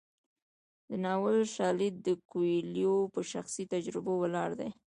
د ناول شالید د کویلیو په شخصي تجربو ولاړ دی.